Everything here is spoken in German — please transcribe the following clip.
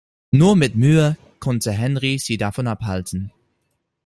Nur mit Mühe konnte Henry sie davon abhalten.